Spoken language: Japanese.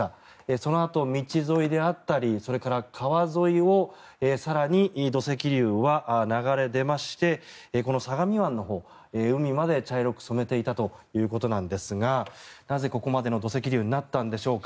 そのあと、道沿いであったりそれから川沿いを更に土石流は流れ出ましてこの相模湾のほう海まで茶色く染めていたということなんですがなぜここまでの土石流になったのでしょうか。